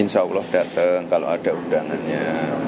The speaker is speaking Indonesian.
insya allah datang kalau ada undangannya